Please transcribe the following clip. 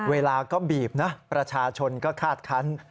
เวลาก็บีบนะประชาชนก็คาดคัน